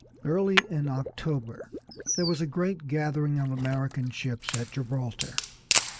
Early in October there was a great gathering of American ships at Gibraltar.